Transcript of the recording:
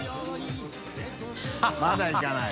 まだいかない。